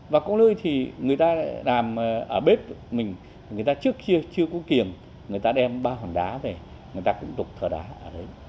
và có lơi thì người ta làm ở bếp mình người ta trước khi chưa có kiềm người ta đem ba hoàng đá về người ta cũng thở đá ở đấy